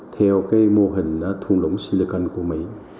theo cái mô hình thun lũng silicon của mỹ